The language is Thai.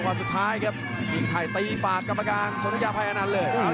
วันสุดท้ายครับจริงไพรตีฝากกรรมการสนุกยาภัยอนาฬเริ่ม